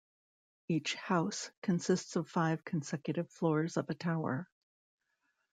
Each "house" consists of five consecutive floors of a tower.